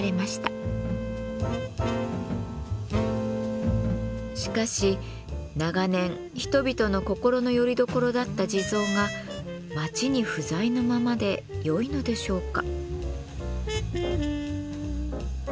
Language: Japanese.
しかし長年人々の心のよりどころだった地蔵が町に不在のままでよいのでしょうか？